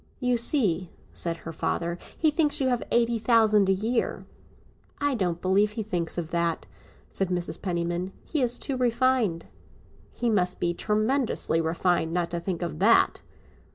"You see," said her father, "he thinks you have eighty thousand a year." "I don't believe he thinks of that," said Mrs. Penniman; "he is too refined." "He must be tremendously refined not to think of that!"